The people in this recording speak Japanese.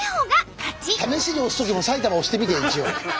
試しに押すときも埼玉押してみて一応。